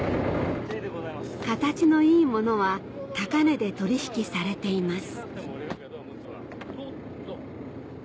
形のいいものは高値で取引されています